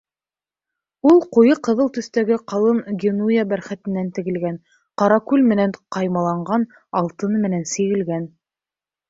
Ул ҡуйы ҡыҙыл төҫтәге ҡалын генуя бәрхәтенән тегелгән, ҡаракүл менән ҡаймаланған, алтын менән сигелгән.